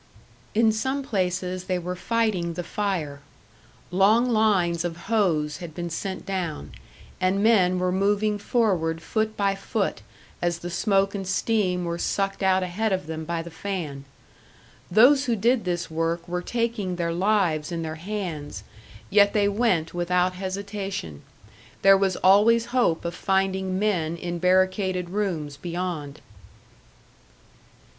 In some places they were fighting the fire. Long lines of hose had been sent down, and men were moving forward foot by foot, as the smoke and steam were sucked out ahead of them by the fan. Those who did this work were taking their lives in their hands, yet they went without hesitation. There was always hope of finding men in barricaded rooms beyond.